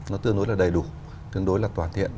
nó tương đối là đầy đủ tương đối là toàn thiện